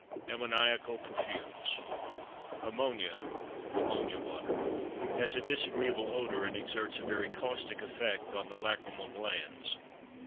AMMONIACAL PERFUMES. Ammonia (ammonia water) has a disagreeable odor and exerts a very caustic effect on the lachrymal glands.